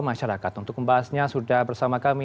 masyarakat untuk membahasnya sudah bersama kami